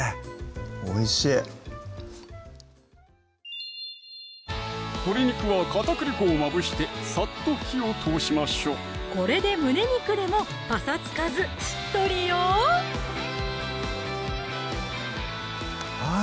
おいしい鶏肉は片栗粉をまぶしてさっと火を通しましょうこれで胸肉でもぱさつかずしっとりよあぁ